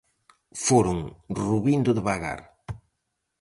Foron rubindo devagar.